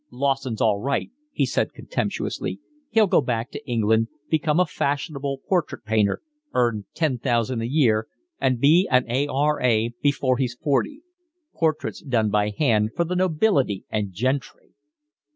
"Lawson's all right," he said contemptuously, "he'll go back to England, become a fashionable portrait painter, earn ten thousand a year and be an A. R. A. before he's forty. Portraits done by hand for the nobility and gentry!"